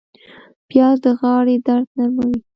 پیاز د غاړې درد نرموي